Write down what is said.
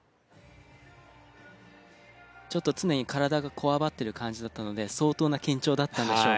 ちょっと常に体がこわばってる感じだったので相当な緊張だったんでしょう。